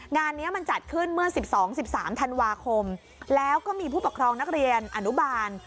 งานนี้มันจัดขึ้นเมื่อ๑๒๑๓ธันวาคมแล้วก็มีผู้ปกครองนักเรียนอนุบาล